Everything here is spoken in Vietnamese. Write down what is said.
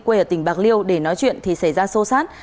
quê ở tỉnh bạc liêu để nói chuyện thì xảy ra sâu sát